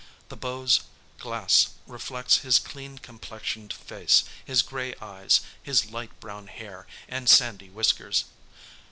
The Beau's glass reflects his clean complexioned face, his grey eyes, his light brown hair, and sandy whiskers.